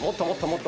もっと！